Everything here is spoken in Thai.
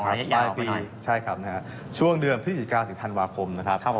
ปลายปีใช่ครับช่วงเดือน๒๙ธันวาคมนะครับ